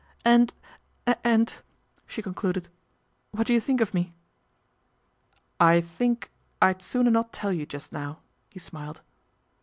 " And and " she concluded, " what do you think of me ?"" I think I'd sooner not tell you just now," he smiled.